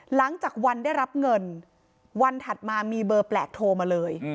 หลังจากวันได้รับเงินวันถัดมามีเบอร์แปลกโทรมาเลย